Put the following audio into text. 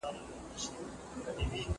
موږ ټول ګډ ژوند کولو ته اړتیا لرو.